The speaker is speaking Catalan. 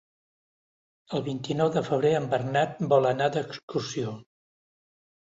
El vint-i-nou de febrer en Bernat vol anar d'excursió.